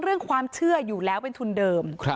เรื่องความเชื่ออยู่แล้วเป็นทุนเดิม